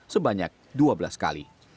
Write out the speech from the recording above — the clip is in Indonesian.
sebanyak dua belas kali